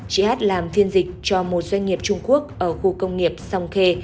chị hát làm thiên dịch cho một doanh nghiệp trung quốc ở khu công nghiệp sòng khê